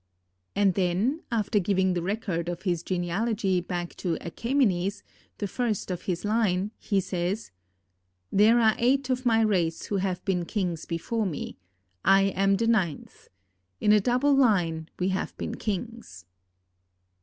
And then, after giving the record of his genealogy back to Achæmenes, the first of his line, he says: "There are eight of my race who have been kings before me; I am the ninth. In a double line we have been kings."